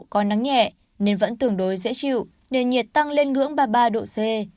có nắng nhẹ nên vẫn tương đối dễ chịu nền nhiệt tăng lên ngưỡng ba mươi ba độ c